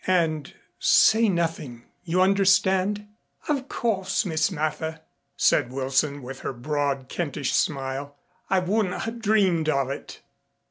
"And say nothing, you understand." "Of course, Miss Mather," said Wilson, with her broad Kentish smile. "I wouldn't ha' dreamed of it."